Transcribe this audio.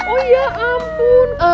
oh ya ampun